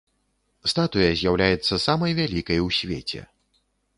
Статуя з'яўляецца самай вялікай у свеце.